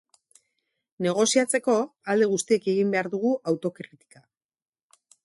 Negoziatzeko, alde guztiek egin behar dugu autokritika.